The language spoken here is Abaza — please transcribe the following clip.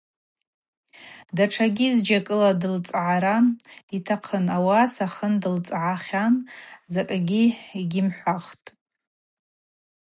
Датшагьи зджьакӏыла дылцӏгӏара йтахъын, ауаса хын дылцӏгӏахьан, закӏгьи гьйымхӏвахтӏ.